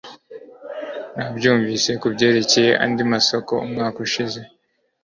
Nabyumvise kubyerekeye andi masoko umwaka ushize.